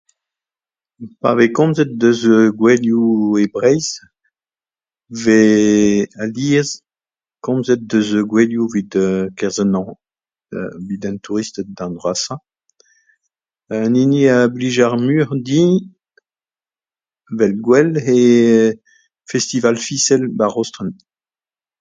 Pa 'vez komzet deus gouelioù e Breizh 'vez alies komzet deus gouelioù evit, kerzh an hañv, evit an touristed darn-vrasañ . An hini a blij ar muioc'h din evel gouel , eo festival fisel ' barzh rostren